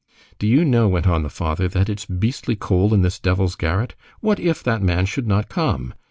"Do you know," went on the father, "that it's beastly cold in this devil's garret! What if that man should not come!